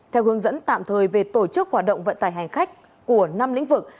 theo hướng dẫn tạm thời về tổ chức hoạt động vận tải hành khách của năm lĩnh vực